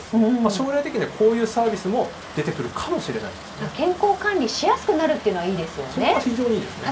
将来的にはこういうサービスも健康管理しやすくなるのはいいですね。